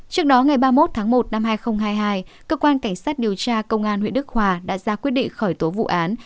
trước đó ngày ba mươi một tháng một năm hai nghìn hai mươi hai cơ quan cảnh sát điều tra công an huyện đức hòa đã ra quyết định khởi tố vụ án